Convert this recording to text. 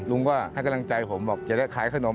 ลุงก็ให้กำลังใจผมบอกจะได้ขายขนม